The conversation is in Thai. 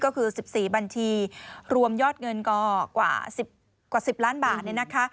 ก็คือ๑๔บัญชีรวมยอดเงินกว่า๑๐ล้านบาท